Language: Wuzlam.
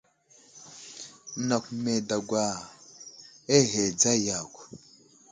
Nakw me dagwa aghe dzaya yakw.